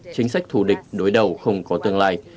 chính sách thù địch đối đầu không có tương lai